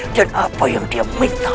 dan apa yang dia minta